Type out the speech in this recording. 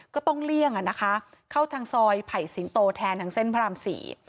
ก็ต้องเลี่ยงข้าวทางซอยไผ่สิงโตแทนทางเส้นพรามศรี